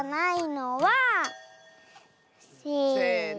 せの。